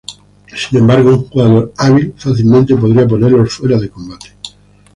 Sin embargo, un jugador hábil fácilmente podría ponerlos fuera de combate.